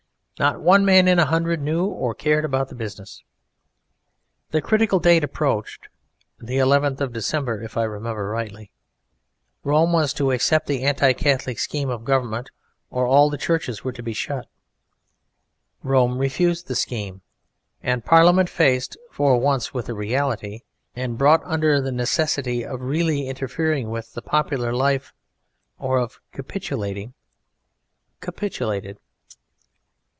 Not one man in a hundred knew or cared about the business. The critical date approached (the 11th of December, if I remember rightly). Rome was to accept the anti Catholic scheme of government or all the churches were to be shut. Rome refused the scheme, and Parliament, faced for once with a reality and brought under the necessity of really interfering with the popular life or of capitulating, capitulated.